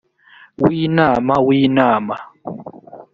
w inama w inama